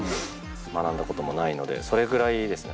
学んだこともないのでそれぐらいですね。